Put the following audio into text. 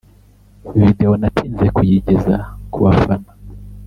“Video natinze kuyigeza ku bafana